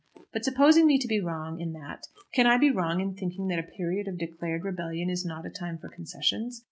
But supposing me to be wrong in that, can I be wrong in thinking that a period of declared rebellion is not a time for concessions?